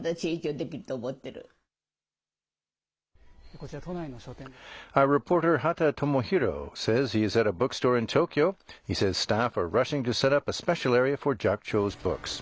こちら都内の書店です。